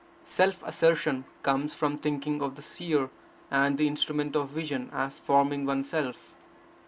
Self assertion comes from thinking of the Seer and the instrument of vision as forming one self.